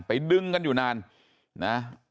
ดึงกันอยู่นานนะ